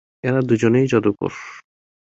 এরা দুজনেই জাদুকর।